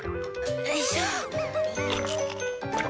よいしょ！